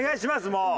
もう。